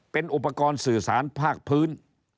เป็นอุปกรณ์สื่อสารภาคพื้น